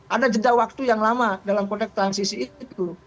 ada jeda waktu yang lama dalam konteks transisi itu